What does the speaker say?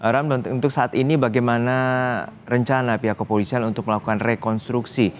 ram untuk saat ini bagaimana rencana pihak kepolisian untuk melakukan rekonstruksi